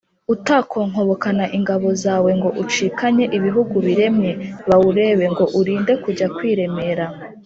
utakonkobokana ingabo zawo, ngo ucikanye ibihugu biremye, bawureba, ngo urinde kujya kwiremera